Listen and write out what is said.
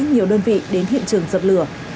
nhiều đơn vị đến hiện trường dập lửa